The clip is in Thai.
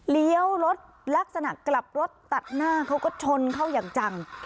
เลี้ยวรถลักษณะกลับรถตัดหน้าเขาก็ชนเข้าอย่างจัง